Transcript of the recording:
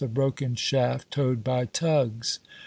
a broken shaft, towed by tugs.